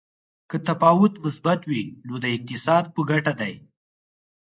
که تفاوت مثبت وي نو د اقتصاد په ګټه دی.